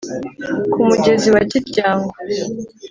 ku mugezi wa kiryango